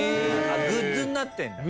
グッズになってんだ。